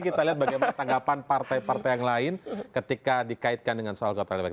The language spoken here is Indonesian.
kita lihat bagaimana tanggapan partai partai yang lain ketika dikaitkan dengan soal kota elektronik